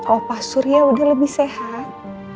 opa surya udah lebih sehat